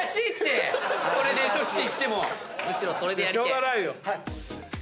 しょうがないよ。